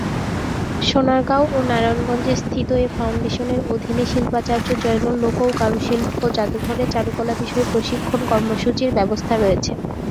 সোনারগাঁও, নারায়ণগঞ্জে স্থিত এ ফাউন্ডেশনের অধীনে শিল্পাচার্য জয়নুল লোক ও কারুশিল্প জাদুঘরে চারুকলা বিষয়ে প্রশিক্ষণ কর্মসূচির ব্যবস্থা রয়েছে।